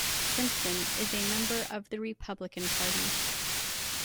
Simpson is a member of the Republican Party.